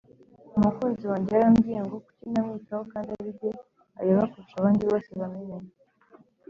Umukunzi wanjye yarambwiye ngo kuki ntamwitaho kandi arijye areba kurusha abandi bose bamenyanye